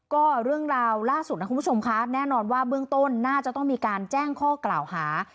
ก็เรื่องราวล่าสุดนะคุณผู้ชมคะแน่นอนว่าเบื้องต้นน่าจะต้องมีการแจ้งข้อกล่าวหา